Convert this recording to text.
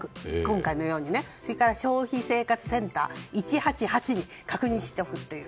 それから消費生活センター１８８に確認しておくという。